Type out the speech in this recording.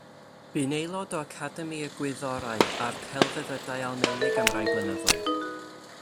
Bu'n aelod o Academi y Gwyddorau a'r Celfyddydau Almaeneg am rai blynyddoedd.